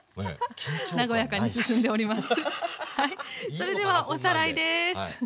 それではおさらいです。